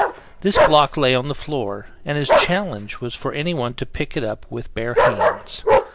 This block lay on the floor, and his challenge was for anyone to pick it up with bare hands.